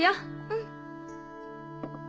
うん。